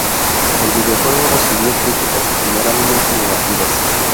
El videojuego recibió críticas "generalmente negativas".